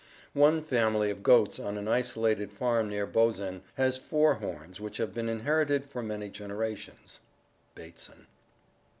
One family of goats on an isolated farm near Bozen has four horns which have been in herited for many generations (Bateson).